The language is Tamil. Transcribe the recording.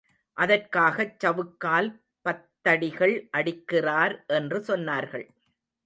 அதற்காகச் சவுக்கால் பத்தடிகள் அடிக்கிறார் என்று சொன்னார்கள்.